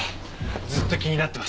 ずっと気になってました。